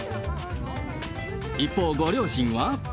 一方、ご両親は。